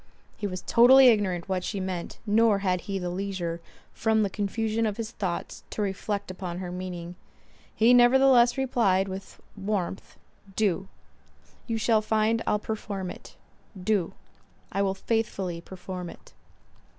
He was totally ignorant what she meant, nor had he leisure, from the confusion of his thoughts, to reflect upon her meaning; he nevertheless replied, with warmth, "Do. You shall find I'll perform it.—Do. I will faithfully perform it."